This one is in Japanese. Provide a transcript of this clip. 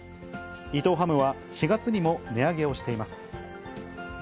伊藤ハムは４月にも値上げをしています。